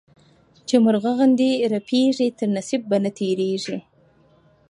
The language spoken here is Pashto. چي مرغه غوندي رپېږي، تر نصيب به نه تيرېږې.